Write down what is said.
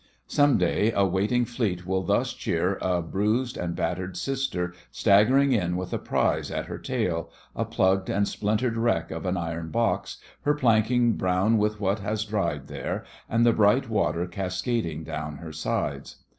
Some day a waiting fleet will thus cheer a bruised and battered sister staggering in with a prize at her tail—a plugged and splintered wreck of an iron box, her planking brown with what has dried there, and the bright water cascading down her sides.